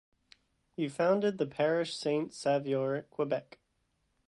He founded the parish Saint-Sauveur, Quebec.